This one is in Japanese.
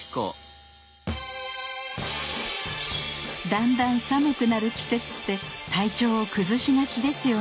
だんだん寒くなる季節って体調を崩しがちですよね。